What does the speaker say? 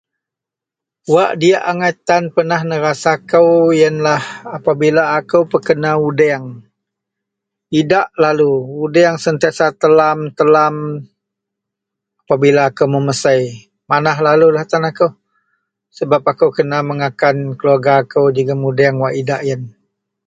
Wak diyak angai tan pernah nerasa kou iyenlah apabila akou pekena udeng idak lalu, udeng sentiasa telam-telam apabila akou memesei manah lalu lah tan akou sebab kena mengakan keluarga kou jegem udeng wak udak iyen.